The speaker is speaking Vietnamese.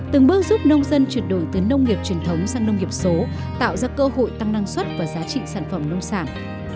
từng bước giúp nông dân chuyển đổi từ nông nghiệp truyền thống sang nông nghiệp số tạo ra cơ hội tăng năng suất và giá trị sản phẩm nông sản